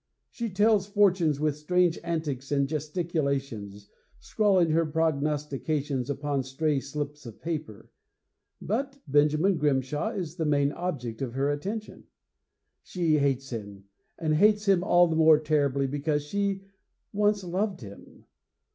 She tells fortunes with strange antics and gesticulations, scrawling her prognostications upon stray slips of paper. But Benjamin Grimshaw is the main object of her attention. She hates him, and hates him all the more terribly because she once loved him.